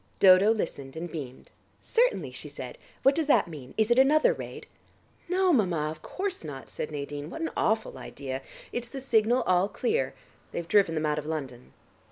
Dodo listened and beamed. "Certainly," she said. "What does that mean? Is it another raid?" "No, mamma, of course not," said Nadine. "What an awful idea! It's the signal 'all clear.' They've driven them out of London."